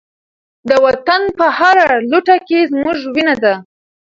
د وطن په هره لوټه کې زموږ وینه ده.